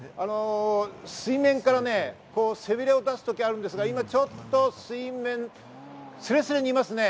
水面からね、背びれを出す時あるんですが、今ちょっと水面すれすれにいますね。